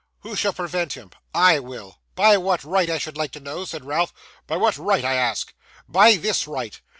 'Who shall prevent him?' 'I will.' 'By what right I should like to know,' said Ralph. 'By what right I ask?' 'By this right.